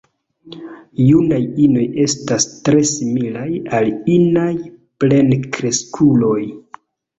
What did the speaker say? Junaj inoj estas tre similaj al inaj plenkreskuloj.